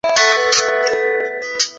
高阇羌人。